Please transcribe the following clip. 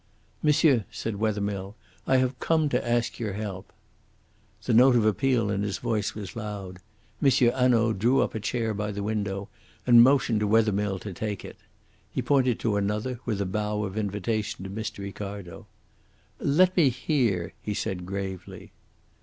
"Monsieur," said Wethermill, "I have come to ask your help." The note of appeal in his voice was loud. M. Hanaud drew up a chair by the window and motioned to Wethermill to take it. He pointed to another, with a bow of invitation to Mr. Ricardo. "Let me hear," he said gravely.